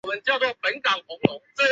奥斯威辛是波兰小波兰省的一个镇。